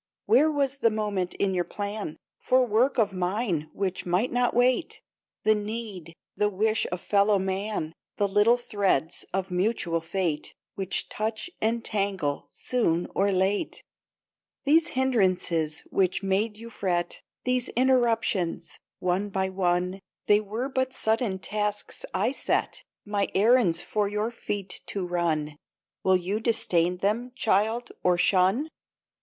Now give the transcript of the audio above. " Where was the moment in your plan For work of Mine which might not wait ? The need, the wish of fellow man, The little threads of mutual fate Which touch and tangle soon or late ? 96 INTERRUPTED " These ' hindrances ' which made you fret, These 'interruptions,' one by one, They were but sudden tasks I set, My errands for your feet to run, Will you disdain them, child, or shun?